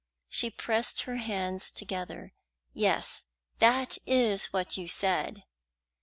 She pressed her hands together. "Yes, that is what you said."